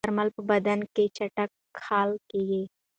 درمل په بدن کې چټک حل کېږي.